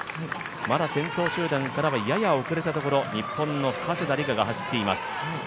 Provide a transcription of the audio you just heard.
まだ先頭集団からはやや遅れたところ、日本の加世田梨花が走っています。